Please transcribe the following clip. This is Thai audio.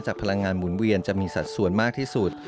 พลังงานหมุนเวียนจะมีสัดส่วนมากที่สุด